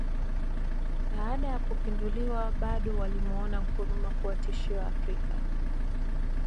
Baada ya kupinduliwa bado walimuona Nkrumah kuwa tishio Afrika